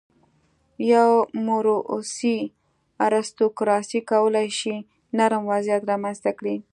یوه موروثي ارستوکراسي کولای شي نرم وضعیت رامنځته کړي.